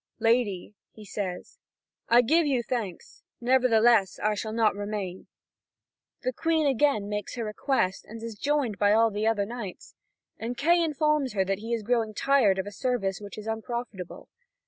"Lady," he says, "I give you thanks; nevertheless, I shall not remain." The Queen again makes her request, and is joined by all the other knights. And Kay informs her that he is growing tired of a service which is unprofitable.